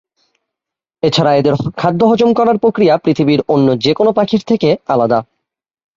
এছাড়া এদের খাদ্য হজম করার প্রক্রিয়া পৃথিবীর অন্য যেকোন পাখির থেকে আলাদা।